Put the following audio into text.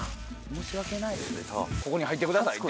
申し訳ないですけど。